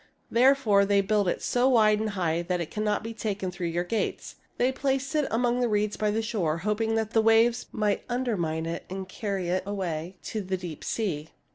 Therefore they built it so wide and high that it cannot be taken through your gates. They placed it among the reeds by the shore, hoping that the waves might undermine it and carry it away to the deep sea."